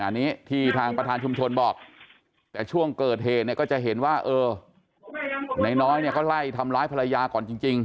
อันนี้ที่ทางประธานชุมชนบอกแต่ช่วงเกิดเหก็จะเห็นว่าน้อยก็ไล่ทำร้ายภรรยาก่อนจริง